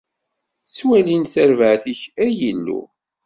Ttwalin-d tarbaɛt-ik, ay Illu!